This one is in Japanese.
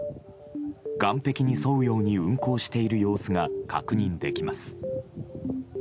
岸壁に沿うように運航している様子が確認できます。